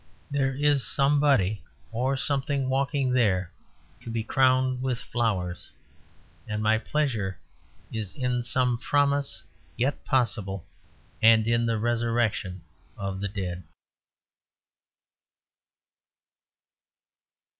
There is somebody or something walking there, to be crowned with flowers: and my pleasure is in some promise yet possible and in the resurrection of the dead.